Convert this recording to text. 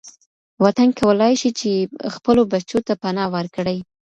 وطن کولای شي چي خپلو بچو ته پناه ورکړي.